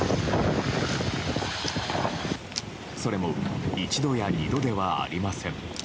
それも一度や二度ではありません。